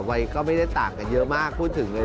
วัยก็ไม่ได้ต่างกันเยอะมากพูดถึงเลย